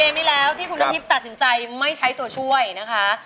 ที่แล้วที่คุณน้ำทิพย์ตัดสินใจไม่ใช้ตัวช่วยนะคะ